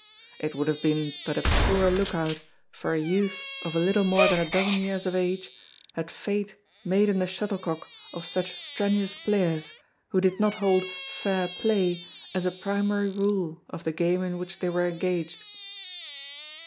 It would have been but a poor look out for a youth of a little more than a dozen years of age had fate made him the shuttlecock of such strenuous players who did not hold "fair play" as a primary rule of the game in which they were engaged.